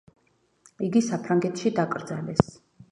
იგი საფრანგეთში დაკრძალეს.